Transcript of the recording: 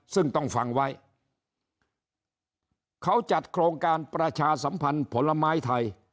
ซึ่งต้องฟังไว้เขาจัดโครงการประชาสัมพันธ์ผลไม้ไทย